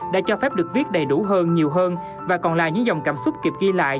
đã cho phép được viết đầy đủ hơn nhiều hơn và còn là những dòng cảm xúc kịp ghi lại